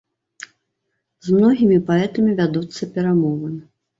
З многімі паэтамі вядуцца перамовы.